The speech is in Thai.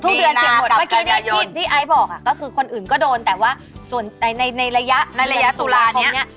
ทุกเดือนเสี่ยงหมดเมื่อกี้ที่ไอ้บอกก็คือคนอื่นก็โดนแต่ว่าส่วนในระยะตุลานี้